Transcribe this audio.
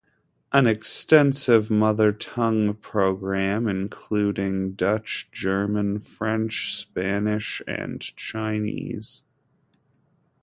An extensive Mother Tongue Program including: Dutch, German, French, Spanish and Chinese.